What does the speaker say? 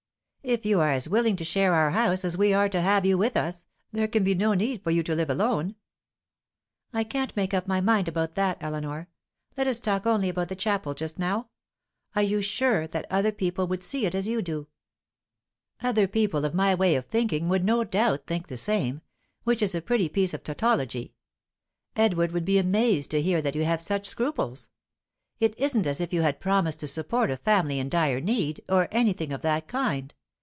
"If you are as willing to share our house as we are to have you with us, there can be no need for you to live alone." "I can't make up my mind about that, Eleanor. Let us talk only about the chapel just now. Are you sure that other people would see it as you do?" "Other people of my way of thinking would no doubt think the same which is a pretty piece of tautology. Edward would be amazed to hear that you have such scruples. It isn't as if you had promised to support a family in dire need, or anything of that kind.